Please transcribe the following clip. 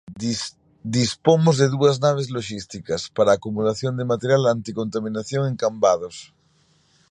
Dispomos de dúas naves loxísticas para a acumulación de material anticontaminación en Cambados.